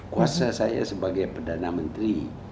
kuasa saya sebagai perdana menteri